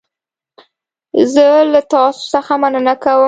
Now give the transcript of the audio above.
زه له تاسو څخه مننه کوم.